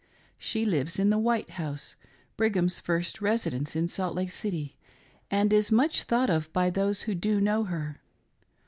She lives in the White House — Brigham's first residence in Salt Lake City — and is much thought of by those who do know her.